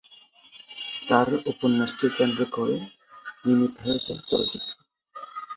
তার উপন্যাসকে কেন্দ্র করে নির্মিত হয়েছে চলচ্চিত্র।